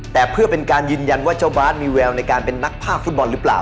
แต่เพื่อเป็นการยืนยันว่าเจ้าบาสมีแววในการเป็นนักภาคฟุตบอลหรือเปล่า